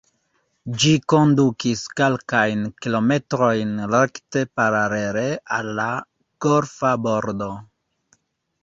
Ĝi kondukis kelkajn kilometrojn rekte paralele al la golfa bordo.